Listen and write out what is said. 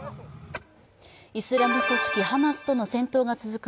イスラム組織ハマスとの戦闘が続く